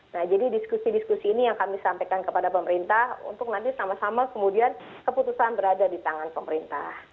nah jadi diskusi diskusi ini yang kami sampaikan kepada pemerintah untuk nanti sama sama kemudian keputusan berada di tangan pemerintah